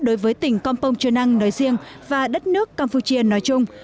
đối với tỉnh kompong trần năng nói riêng và đất nước campuchia nói chung